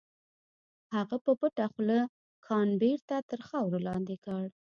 هغه په پټه خوله کان بېرته تر خاورو لاندې کړ.